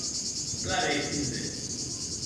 Plan ben, Hilde.